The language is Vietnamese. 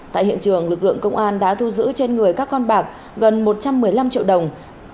tại hiện trường lực lượng công an đã thu giữ trên người các con bạc gần một trăm một mươi năm triệu đồng